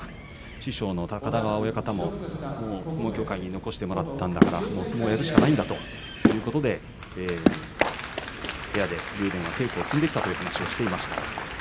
師匠の高田川親方も相撲協会に残してもらったんだから相撲をやるしかないんだということで部屋で竜電は稽古を積んできたという話をしていました。